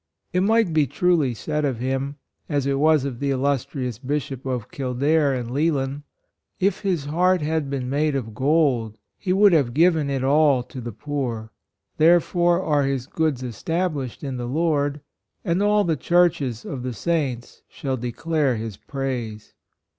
It might be truly said of him, as it was of the illustrious 96 PERSONAL RELIGION, Bishop of Kildare and Leighlin. "If his heart had been made of gold, he would have given it all to the poor. Therefore are his goods established in the Lord, and all the churches of the Saints shall declare his praise."